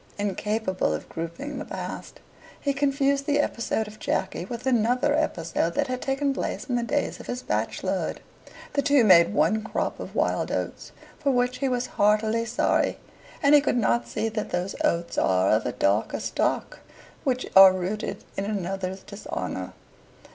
Incapable of grouping the past, he confused the episode of Jacky with another episode that had taken place in the days of his bachelorhood. The two made one crop of wild oats, for which he was heartily sorry, and he could not see that those oats are of a darker stock which are rooted in another's dishonour.